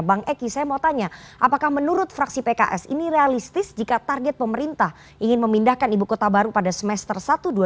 bang eki saya mau tanya apakah menurut fraksi pks ini realistis jika target pemerintah ingin memindahkan ibu kota baru pada semester satu dua ribu dua puluh